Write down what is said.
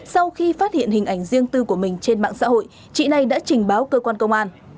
sau khi phát hiện hình ảnh riêng tư của mình trên mạng xã hội chị này đã trình báo cơ quan công an